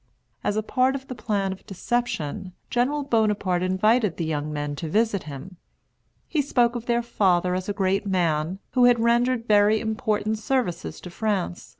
As a part of the plan of deception, General Bonaparte invited the young men to visit him. He spoke of their father as a great man, who had rendered very important services to France.